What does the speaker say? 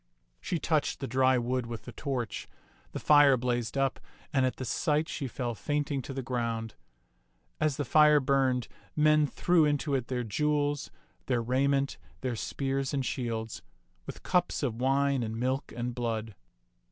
She touched the dry wood with the torch; the fire blazed up, and at the sight she fell fainting to the ground. As the fire burned, men threw into it their jewels, their rai ment, their spears and shields, with cups of wine and milk and blood.